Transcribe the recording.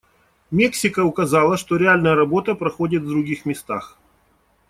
Мексика указала, что реальная работа проходит в других местах.